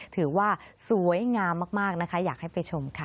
ถือว่าสวยงามมากนะคะอยากให้ไปชมค่ะ